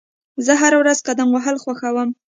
زه هره ورځ قدم وهل خوښوم.